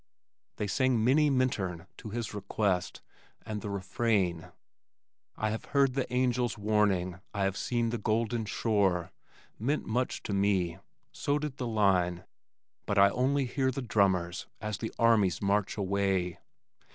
They sang "Minnie Minturn" to his request, and the refrain, I have heard the angels warning, I have seen the golden shore meant much to me. So did the line, But I only hear the drummers As the armies march away.